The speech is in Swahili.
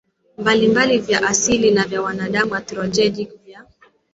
mbalimbali vya asili na vya mwanadamu anthropogenic Vyanzo vya